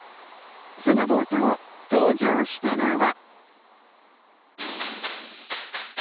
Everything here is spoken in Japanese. その冒頭、登場したのは。